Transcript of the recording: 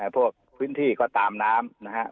พวกพื้นที่ก็ตามน้ำนะครับ